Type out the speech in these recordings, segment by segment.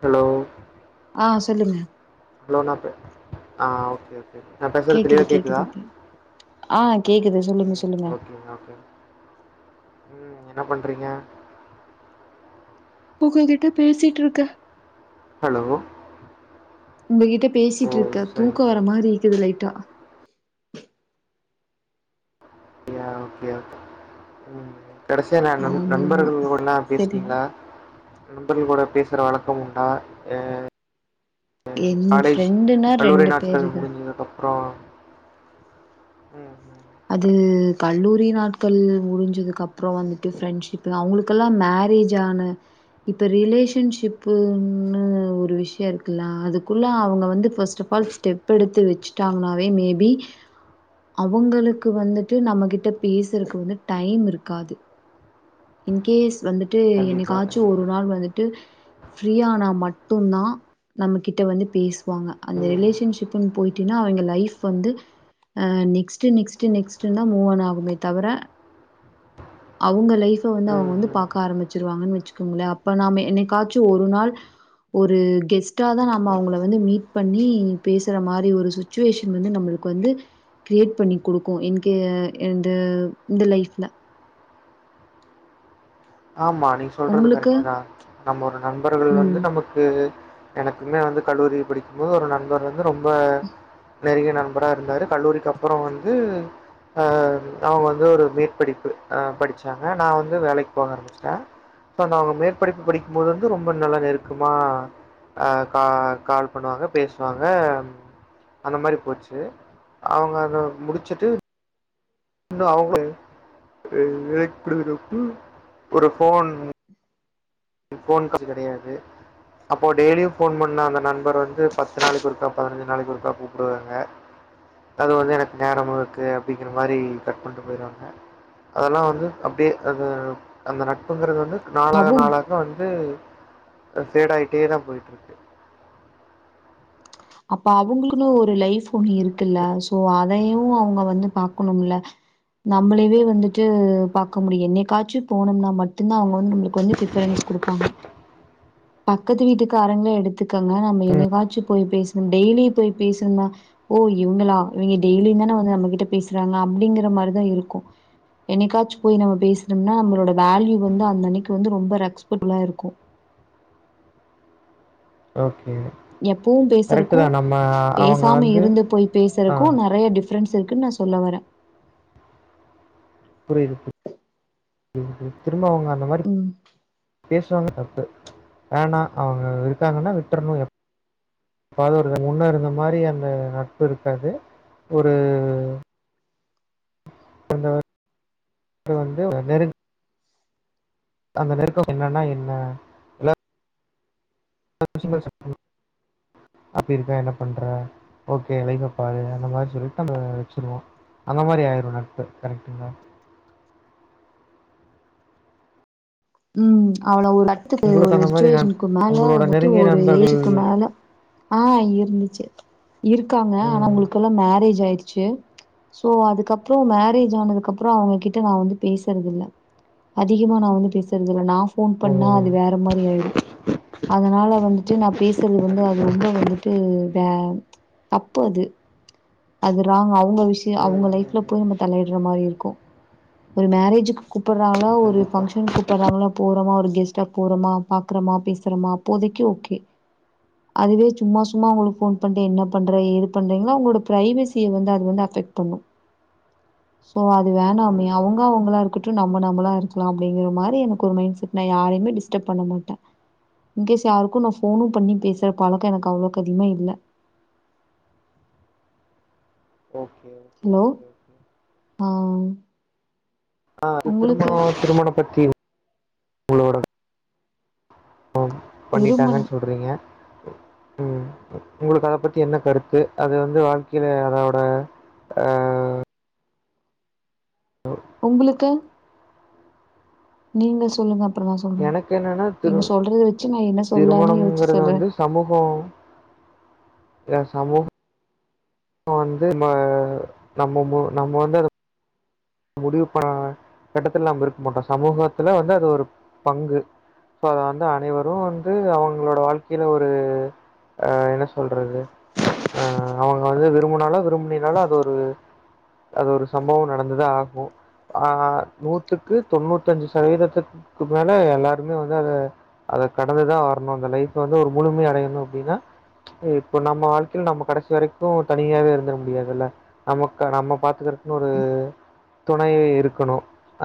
Hello ஆஹ் சொல்லுங்க ஆஹ் ஓகே ஓ கேக்குது கேக்குது ஆஹ் கேக்குது சொல்லுங்க ம் சொல்லுங்க உம் என்ன பண்றீங்க உங்க கிட்ட பேசிட்ருக்க ஹாலோ உங்ககிட்ட பேசிட்ருக்க தூக்க வர மாரி சரி இருக்குது லைட்டா யா ஒகேயா உம் கடசியா நா நம் ஆமா ஆமா நம்பர்கள்ளோடலா செரி பேசுனீங்ளா நம்பர்கள்கூட பேசுற வழக்கம் உண்டா ஏ என் ஃப்ரெண்டுனா ரெண்டு பேருக அப்ற உம் உம் உம் கல்லூரி நாட்கள் முடிஞ்சதுக்கு அப்றோ வந்துட்டு ஃப்ரெண்ட்ஷிப்பு அவ்ங்ளுக்கெல்லா மேரேஜ் ஆன இப்ப ரிலேஷன்ஷிப்புன்னு ஒரு விஷ்ய இருக்குல அதுக்குள்ள அவ்ங்க வந்து ஃபஸ்ட் அஃப் ஆல் ஸ்டெப் எடுத்து வச்சுட்டாங்னாவே மே பி அவுங்களுக் க்கு வந்துட்டு நம்மகிட்ட பேசுறக்கு வந்து டைம் இருக்காது இன்கேஸ் வந்துட்டு கண்டிப்பாக என்னைக்காச்சு ஒரு கண்டிப்பாக நாள் வந்துட்டு ஃப்ரீயானா மட் டுனா நம்மகிட்ட வந்து பேசு வாங்க அந்த ம் ரிலேஷன்ஷிப்புன் போய் டினா அவங்கெ லைஃப் வந்து அஹ் நெக்ஸ்டு நெக்ஸ்டு நெக்ஸ்டுன் தா மூவான் ஆகுமே தவர அவுங்க லைஃப் இப்ப வந்து அவ்ங்க ம் வந்து ம் பாக்க ஆரம்மிச்ருவாங்கனு வச்சுக் கும்ல அப்ப நாம என்னைக்காச்சு ஒரு நாள் ஒரு கெஸ்டாதா நம்ம அவ்ங்ள வந்து மீட் பண்ணி பேசுற மாரி ஒரு சுச்சுவேஷன் வந்து நம்மளுக்கு வந்து கிரியேட் பண்ணி குடுக்கு இன்கே என்டு இந்த லைஃப்ல ஆமா நீ சொல்றது உங்களுக்கு? கரெக்டுதா நம்ம ஒரு நண்பர்கள் ஆமா. வந்து ம். நமக்கு எனக்குமே வந்து கல்லூரி படிக்கும் போது ஒரு நண்பரு இது ரொம்ப நெருங்ய நண்பரா இருந்தார் கல்லூரிக்கு அப்புறம் வந்து அ அவங்க வந்து போக ஆரம்பிச்சிட்டா சோ நா அவ மேற்படிப்பு படிக்கும்போது வந்து ரொம்ப நல்ல நெருக்கமா கா கால் பண்ணுவாங்க இன்னும் அவங்க வெளிப்படுறதுக்கு ஒரு போஃன் எனக்கு ஃபோன் கால் கெடையாது அப்போ டெய்லியு ஃபோன் பண்ண அந்த நண்பர் வந்து பத்து நாளுக்கு ஒருக்கா பதினஞ்சு நாளுக்கா ஒருக்கா கூப்பிடுவாரு அது வந்து எனக்கு நேரம் இருக்கு அப்படிங்கிற மாதிரி கட் பண்ணிட்டு போயிடுவாங்க அதெல்லாம் வந்து அப்படியே அது நாளாக அவங்க நாளாக வந்து ஃயிடாயிடே தான் போயிட்டு இருக்கு அப்ப அவங்ளுக்குன்னு ஒரு லைப் ஒண்ணு இருக்குல்ல சோ ஓ அதையு அவுங்க வந்து பாக்ணும் இல்ல நம்ளேவே வந்துட்டு பாக்க முடியும் என்னைக்காச்சு போனும்னா மட்டு்தா அவங்க வந்துநம்ளுக்கு ஃபிரவ்ரன்ஸ் குடுப்பாங்க பக்கத்து வீட்டுக்கு காரங்க எடுத்து இதுக்காங்க நம் டெய்லிய போய் பேசணும்‌ஓ இவுங்களா ஆ எப்பவும் பேசுறக்கும் அவங்க வந்து ஆ ஃபெரண்ட்ஸ் இருக்குன்னு நான் சொல்ல வரேன் புரியுது பு இப்ப ப அவுங்க அந்த மாரி ம் பேசுவாங்க தப்பு ஆனா அந்த வந்து ந அந்த நெருக்கம் என்னன்னா என்ன [inaudible] ம் அவ்ளோ பட்ஜட் உங்களுக்கு ஒரு அந்த மாரி நட் சுச்சுவேஷனுக்கு உங்களோட மேல நெருங்கிய ஒரு நண்பர்கள் ஏஜீக்கு மேல இருக்காங்க ஆனா ம் அவுங்களுக்குல்லாம் மேரேஜ் ஆயிடு சோ அதுக்கப்பறம் மேரேஜ் ஆனதுக்குப்பறம் அவங்ககிட்ட நான் வந்து பேசுறதுல்ல அதிகமா நான் வந்து பேச [unintelligible] போன் ஓ பண்ணா அது வேற மாரி ஆயிரும் அதனால வந்துட்டு நான் பேசுறது வந்து அது கண்டிப்பா ரொம்ப வந்துட்டு வே தப்பு அது அதுராங் [unintelligible] அவுங்க விஷயம் ம் ம் அவுங்க லைப்ல போய் நம்ம தலையிடுற மாரி இருக்கும் ஒரு மேரேஜக்கு கூப்பிடறாங்கள ம் ஒரு கண்டிப்பா ம் ஃபங்க்ஷன் கூப் போறோமோ ஒரு கெஸ்ட்டா போறோம பாக்குறமா பேசுறமா அப்போதைக்கு ஓ ம் ம் ம் ம் ம் எனக்கு ஒரு மைண்ட செட் நான் யாரையுமே டிஸ்டரப் பண்ண மாட்டேன் இ்ன்கேஸ் யாருக்கும் நான் போனும் பண்ணி ம் பேசுற okay okay hello okay okay ஆ ஆ திருமண உங்களுக்கு திருமணம் [unintelligible] உங்களோட ஓ பண்ணிட்டாங்கன்னு திருமணம் சொல்றீங்க ம் உங்களுக்கு அத பத்தி என்ன கருத்து அது வந்து வாழ்க்கையில அதோட ஆ உங்களுக்கு நீங்க சொல்லுங்க அப்றோ நா சொல்றே எனக்கு என்னன்னா திரு நீங்க சொல்றது வச்சு நா என்ன சொல்லன்னு யோச்சு திருமணம்ங்கிறது சொல்றே வந்து ஏ சம்மூக ஆ வந்து நம்ம நம்ம வந்து முடிவு பன கட்டத்துல நம்ம இருக்க மாட்டோ சமூகத்துல வந்து அது ஒரு பங்கு சோ அத வந்து அனைவரு வந்து அவங்களோட வாழ்க்கையில ஒரு ஆ என்ன சொல்றது ஆ அவ்ங்க வந்து விரும்பினாலு விரும்பினினாலும் அது ஒரு அது ஒரு சம்பவம் நடந்தது ஆ நூத்துக்கு தொண்ணூத்தி அஞ்சு சதவீதத்துக்கு மேல எல்லாருமே வந்து அத அத கடந்துதான் வரணு அந்த லைஃப் வந்து ஒரு முழும அடையணும் அப்டின்னா இப்ப நம்ம வாழ்க்கையில நம்ம கடைசி வரைக்கு தனியாவே இருந்துட முடியாதுல்ல நம்ம நம்ம பாத்துக்கறக்குன்னு ஒரு துணை இருக்கணு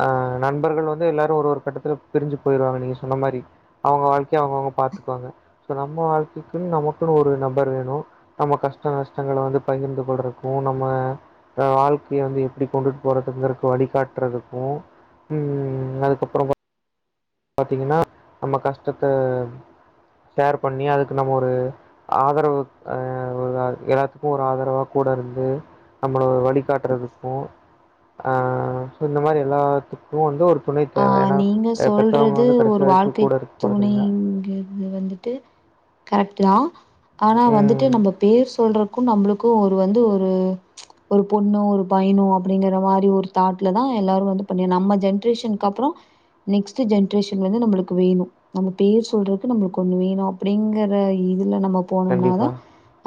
ஆ நண்பர்கள் வந்து எல்லாரும் ஒரு ஒரு கட்டத்தில் பிரிஞ்சு போயிடுவாங்க நீங்கள் சொன்ன மாரி அவங்க வாழ்க்கையை அவங்கவுங்க பாத்துக்குவாங்க ஸோ நம்ம வாழ்க்கைக்குன்னு நமக்குன்னு ஒரு நபர் வேணு நம்ம கஷ்ட நஷ்டங்களை வந்து பகிர்ந்து கொள்றதுக்கும் நம்ம வாழ்க்கைய வந்து எப்டி கொண்டுட்டு போறதுங்க வழிகாட்டுறதுக்கு ம் அதுக்கப்றோ பாத்தீங்கன்னா நம்ம கஷ்டத்தை ஷேர் பண்ணி அதுக்கு நம்ம ஒரு ஆதரவு ஆ ஒரு எல்லாத்துக்கும் ஒரு ஆதரவா கூட இருந்து நம்மள ஒரு வழிகாட்டுறதுக்கு ஆ சோ இந்த மாரி எல்லாத்துக்கு வந்து ஒரு துணை ஆ தேவை. ஏன்னா நீங்க அ சொல் பெத்தவங்க றது வந்து கடைசி ஒரு வரைக்கும் வாழ்க்கை கூட இருக்க போறதில்ல. துணைங்கறத வந்துட்டு கரெக்ட் ரா ஆனா வந்துட்டு ம். நம்ம பேர் சொல்றக்கும் நம்முளுக்கு ஒரு வந்து ஒரு ஒரு பொண்ணு ஒரு பயனு அப்டிங்கற மாரி ஒரு தாட்ல தான் எல்லாரு வந்து ப நம்ம ஜென்ரேஷன் அப்புறோ நெக்ஸ்ட் ஜென்ரேஷன் வந்து நம்மளுக்கு வேணு நம்ம பேர் சொல்றக்கு நம்மக்கு ஒன்னு வேணும் அப்டிங்கற இது நம்ம போனோம்னா கண்டிப்பா. தான்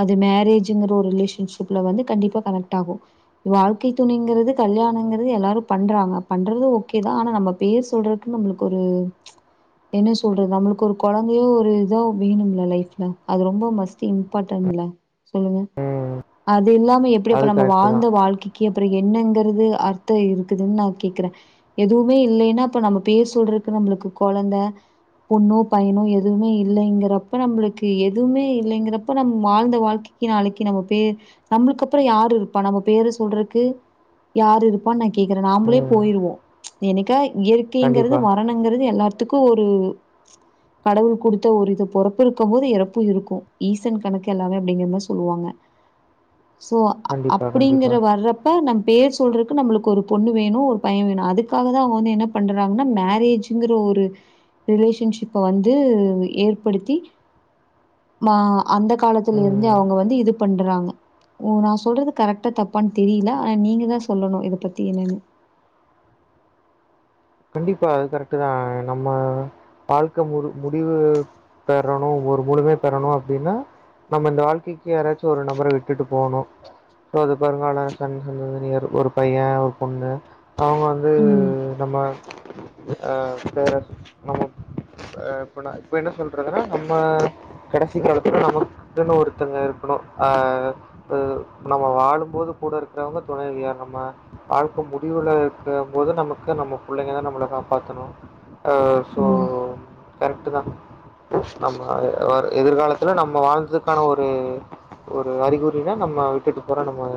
அது மேரேஜ்கிற ஒரு ரிலேஷன்ஷிப்ல வந்து கண்டிப்பா கணேக்ட் ஆகும் வாழ்க்கை துனைங்கிறது கல்யாணங்கிறது எல்லாரு பண்றாங்க பண்றது ஓகே தான் ஆன நம்ம பேர் சொல்றக்கு நம்மளுக்கு ஒரு என்ன சொல்றது நம்மளுக்கு ஒரு கொழந்தையோ ஒரு இதோ வேணும்ல லைஃப்ல அது ரொம்போ மஸ்ட் இம்பார்ட்டன்ல சொல்லுங்க ம். அது இல்லாம எப்டி ப்போ அது நம்ம கரெக்ட்டு வாழ்ந்த தான். வாழ்க்கைக்கு அப்புறோ என்னங்கறது அர்த்தம் இருக்குதுன்னு நான் கேக்குறே எதுவு வுமே இல்லைன்னா அப்ப நம்ம பேர் சொல்றக்கு நம்மளுக்கு கொழந்த பொண்ணோ பயனோ எதுவுமே இல்லைங்கிறப்ப நம்பளுக்கு எதுவுமே இல்லைங்கிறப்ப நம் வாழ்ந்த வாழ்க்கைக்கு நாளைக்கு நம்ம பேர் நம்மளுக்கு அப்புறம் யாரு இருப்பா நம்ம பேரு சொல்றக்கு யாரு இருப்பான்னு நான் கேக்குறேன் நாமளே ம். போயிருவோ ச்சு என்னைக்காய் இயற்கைங்கிறது கண்டிப்பா. வரணுங்கிறது எல்லா த்துக்கு ஒரு கடவுள் கொடுத்த ஒரு இது பொறப்பு இருக்கும் போது இறப்பு இருக்கு ஈசன் கணக்கு எல்லாமே அப்டிங்கறதா சொல்லுவாங்க சோ கண்டிப்பா, அப்டிங்கற கண்டிப்பா. வர்றப்ப நம் பேர் சொல்றக்கு நம்மளுக்கு ஒரு பொண்ணு வேணு ஒரு பையன் வேணு அதுக்கு க்காகங்க வந்து என்ன பண்றாங்கன்னா மேரேஜுங்கற ஒரு ரிலேஷன்ஷிப்ப வந்து ஏற்படுத்தி மா அந்த காலத்துல இருந்து ம். அவுங்க வந்து இது பண்றாங்க உ நா சொல்றது கரெக்டா தப்பான்னு தெரியல ஆன நீங்க தான் சொல்லணு இதை பத்தி என்னன்னு கண்டிப்பா அது கரெக்டு தான் நம்ம வாழ்க்கை மு முடிவு பெறணும் ஒரு மு ழுமே பெறணு அப்டின்னா நம்ம இந்த வாழ்க்கைக்கே யாராச்சு ஒரு நம்பரை விட்டுட்டு போணும் சோ அது பருங்கால சண் சந்தனியர் ஒரு பையன் ஒரு பொண்ணு அவுங்க வந்து ம் நம்ம அஹ் நம்மஹ் இப்ப நா இப்ப என்ன சொல்றதுன்னா நம்ம கடைசி காலத்துல நமகுனு ஒருத்தங்க இருக்கணு ஆஹ் இ நம்ம வாழும்போது கூட இருக்கிறவங்க துணைவியா நம்ம வாழ்க்க முடிவுல இருக்கு போது நமக்கு நம்மோ பிள்ளைங்க தான் நம்மள காப்பாத்தணு ஆ சோ ம் கரெக்டு தா நம்ம எதிர்காலத்தில நம்ம வாழ்ந்ததுக்கான ஒரு ஒரு அறிகுறினா நம்ம விட்டுட்டு போற நம்ம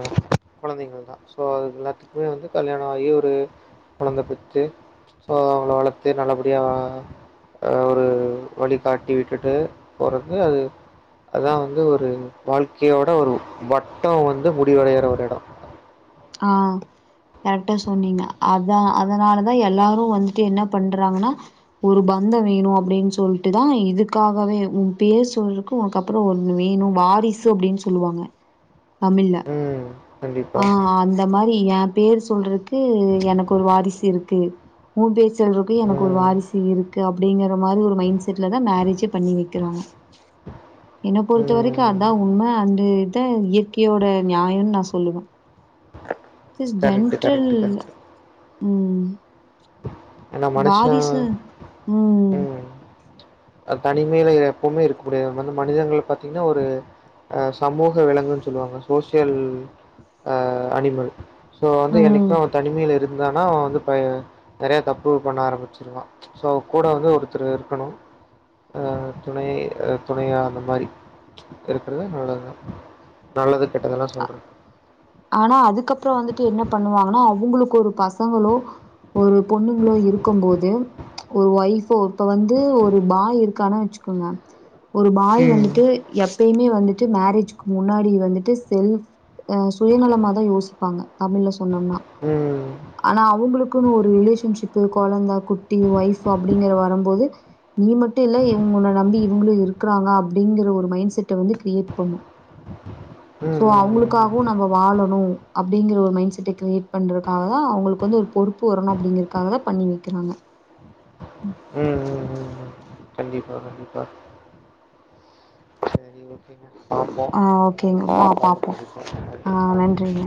கொழந்தைங்கள் தான் சோ அது எல்லாத்துக்குமே வந்து கல்யாணம் ஆகி ஒரு கொழந்த பெத்து த்து சோ அவள வளத்து நல்லபடியாஹ் ஒரு வழி காட்டி விட்டுட்டு போறது அது அதான் வந்து ஒரு வாழ்க்கையோட ஒரு வட்டோ வந்து முடிவடையற ஒரு இடம் ஆஹ் கரெக்டா சொன்னீங்க அத அதனாலதான் எல்லாரு வந்துட்டு என்ன பண்றாங்கன்னா ஒரு பந்தோ வேணும் அப்டின் சொல்ட்டுதான் இதுக்காகவே உன் பேர் சொல்றக்கு உனக்கு அப்புறோ ஒண்ணு வேணு வாரிசு அப்டின்னு சொல்லுவாங்க தமிழ்ல ம். கண்டிப்பா. ஆஹ் அந்த மாரி ஏ பேர் சொல்றக்கு கு எனக்கு ஒரு வாரிசு இருக்கு உ பேர் ச செல்றக்கு எனக்கு ஒரு ம். வாரிசு இருக்கு அப் அப்டிங்க அந்த மாரி ஒரு மைண்ட செட்டுல தா மேரேஜே பண்ணி வைக்கிறாங்க என்ன பொறுத்த வரைக்கு ம். அதான் உண்ம அண்டு த்த இயற்கையோட நியாயன்னு நா சொ சொல்லுவே this correct, general correct, correct. ஏன்னா மனுஷன் வாரிசு உம் ம். தனிமையில எப்பவுமே இருக்க முடியாது வந்து மனிதங்கள் பாத்தீங்கன்னா ஒரு அஹ் சமூக விலங்குன்னு சொல்லுவாங்க சோசியல் அஹ் அனிமல் சோ வந்து ம் எண்ணிக்குமே அவன் தனிமையில இருக் இருந்தானா அவ வந்து பைய நெறைய தப்பு பண்ண ஆரம்பிச்சிருவா ஸோ அவன்கூட வந்து ஒருத்தர் இருக்கணு ஆஹ் துணை துணையா அந்த மாரி இருக்கறத நல்லதுதா நல்லதுக் அ ஆனா அதுக்கப்புற வந்துட்டு என்ன பண்ணுவாங்கன்னா உங்களுக்கு ஒரு பசங்களோ ஒரு பொண்ணுங்களோ இருக்கும்போது ஒரு ஒய்ஃபோ இப்ப வந்து ஒரு பாய் இருக்கானு வச்சுக்கோங்க ஒரு ம் பாய் ம் வந்துட்டு எப்பயுமே வந்துட்டு மேரேஜ்கு முன்னாடி வந்துட்டு செல்ப் ஆஹ் சுயநலமாதா யோசிப்பாங்க தமிழ்ல சொன்னம்னா ம் ம் ஆனா அவுங்களுக் கு ஒரு ரிலேஷன்ஷிப்பு குழந்த குட்டி ஒயஃப் அப்படிங்கற வரம்போது நீ மட்டு இல்ல இவங்கொன்ன நம்பி இவங்களும் இருக்கிறாங்க அப்படிங்கற ஒரு மைண்ட் செட்ட வந்து கிரியேட் பண்ணு ம் சோ ம் ம் அவங்களுக்காகவு நம்ம வாழணு அப்படிங்கிற ஒரு மைண்ட் செட்ட கிரியேட் பண்றதுக்காகதா அவங்களுக்கு வந்து ஒரு பொறுப்பு வரணு அப்படிங்கறக்காகதா பண்ணி வக்கிறாங்க கண்டிப்பாக கண்டிப்பா சரி ஓகேங்க பாப்போ ஆஹ் இன்னொரு ஓகேங்க வா நாள் கால்ல பாப்போம் ஆஹ் சந்திப்போ நன்றிங்க